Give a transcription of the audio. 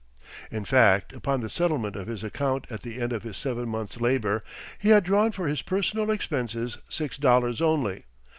In fact, upon the settlement of his account at the end of his seven months' labor, he had drawn for his personal expenses six dollars only.